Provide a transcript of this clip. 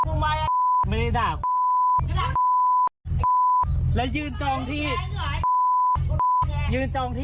มันผิดเหรอใครเอาให้จอง